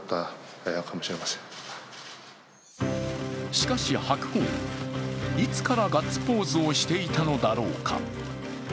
しかし白鵬、いつからガッツポーズをしていたのだろうか。